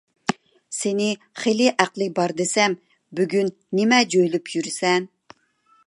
سېنى خېلى ئەقلى بار دېسەم، بۈگۈن نېمە جۆيلۈپ يۈرىسەن؟